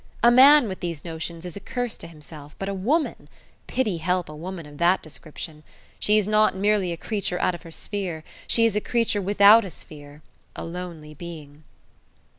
A man with these notions is a curse to himself, but a woman pity help a woman of that description! She is not merely a creature out of her sphere, she is a creature without a sphere a lonely being!